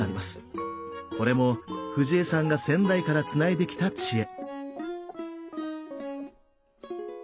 これもフジヱさんが先代からつないできた知恵。